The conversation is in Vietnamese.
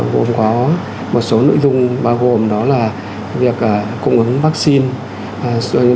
gồm có một số nội dung bao gồm đó là việc cung ứng vaccine